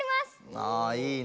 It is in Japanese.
ああいいね。